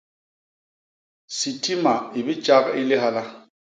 Sitima i bitjak Lihala.